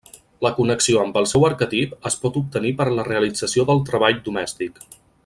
La connexió amb el seu arquetip es pot obtenir per la realització del treball domèstic.